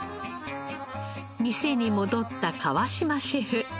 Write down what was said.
店に戻った川島シェフ。